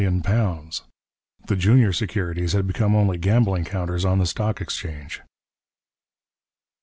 The junior securities had become only gambling counters on the stock exchange.